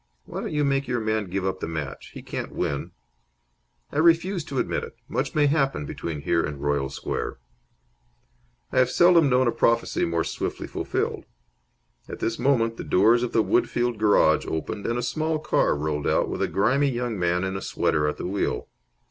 Why don't you make your man give up the match? He can't win." "I refuse to admit it. Much may happen between here and Royal Square." I have seldom known a prophecy more swiftly fulfilled. At this moment the doors of the Woodfield Garage opened and a small car rolled out with a grimy young man in a sweater at the wheel.